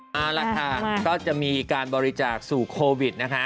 เอาล่ะค่ะก็จะมีการบริจาคสู่โควิดนะคะ